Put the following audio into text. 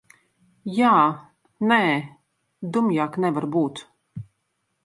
Jā, nē. Dumjāk nevar būt.